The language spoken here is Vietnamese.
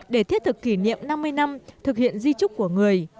để thiết thực kỷ niệm năm mươi năm thực hiện di trúc của người